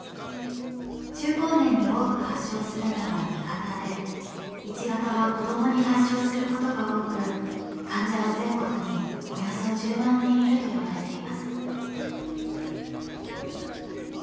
中高年に多く発症するのは２型で１型は子どもに発症することが多く患者は全国におよそ１０万人いるといわれています。